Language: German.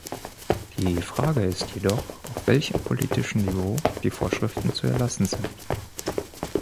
Die Frage ist jedoch, auf welchem politischen Niveau die Vorschriften zu erlassen sind.